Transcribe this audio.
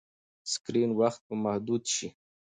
سکرین وخت به محدود شي.